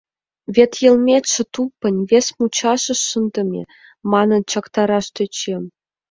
Вет йылметше тупынь, вес мучашыш шындыме, — манын чактараш тӧчем.